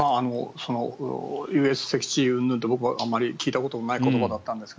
優越的地位うんぬんって僕はあまり聞いたことのない言葉だったんですが